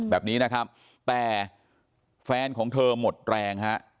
แบบนี้นะครับแต่แฟนของเธอหมดแรงฮะ